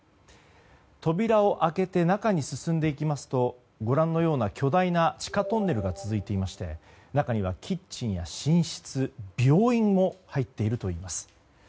扉を開けて中に進んでいきますとご覧のような、巨大な地下トンネルが続いていまして中にはキッチンや寝室病院も入っているといいます。